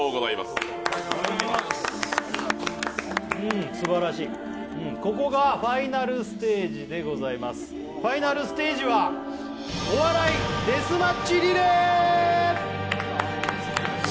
うんすばらしいここがファイナルステージでございますファイナルステージはデスマッチリレー？